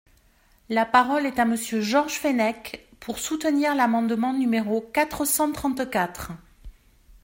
La parole est à Monsieur Georges Fenech, pour soutenir l’amendement numéro quatre cent trente-quatre.